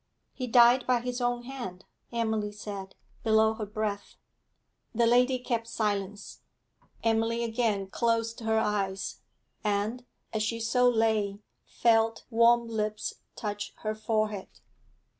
'He died by his own hand,' Emily said, below her breath. The lady kept silence. Emily again closed her eyes, and, as she so lay, felt warm lips touch her forehead.